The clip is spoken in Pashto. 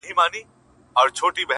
په خپلوي یې عالمونه نازېدله!